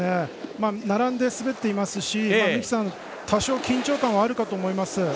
並んで滑っていますし多少、緊張感があると思います。